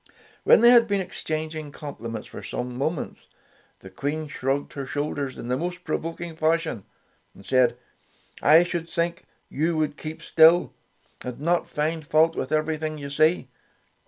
When they had been exchanging com pliments for some moments, the Queen shrugged her shoulders in the most pro voking fashion, and said, ''I should think you would keep still, and not find fault with everything you see.